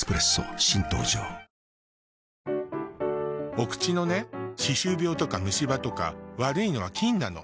お口のね歯周病とか虫歯とか悪いのは菌なの。